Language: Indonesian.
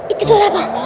itu suara apa